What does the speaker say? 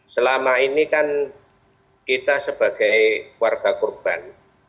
selama ini kan kita sebagai warga korban